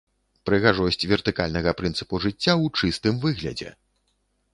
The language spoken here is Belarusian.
Прыгажосць вертыкальнага прынцыпу жыцця ў чыстым выглядзе!